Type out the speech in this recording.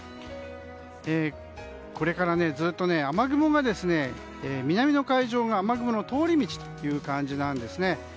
これからずっと雨雲が南の海上が雨雲の通り道という感じなんです。